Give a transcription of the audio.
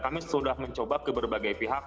kami sudah mencoba ke berbagai pihak